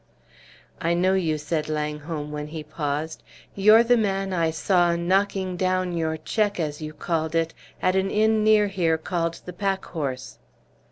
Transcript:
"I know you," said Langholm, when he paused. "You're the man I saw 'knocking down your check,' as you called it, at an inn near here called the Packhorse."